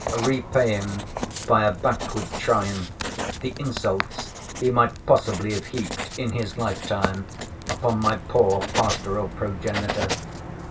—repaying by a backward triumph the insults he might possibly have heaped in his life time upon my poor pastoral progenitor.